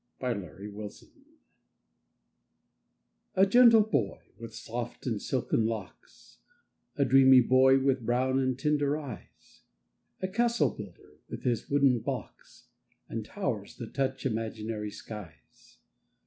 THE CASTLE BUILDER A gentle boy, with soft and silken locks A dreamy boy, with brown and tender eyes, A castle builder, with his wooden blocks, And towers that touch imaginary skies.